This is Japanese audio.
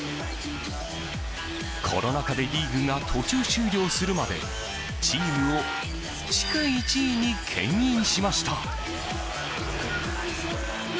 コロナ禍でリーグが途中終了するまでチームを地区１位に牽引しました。